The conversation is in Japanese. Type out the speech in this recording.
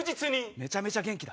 めちゃめちゃ元気だ。